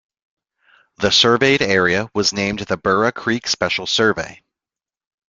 The surveyed area was named the Burra Creek Special Survey.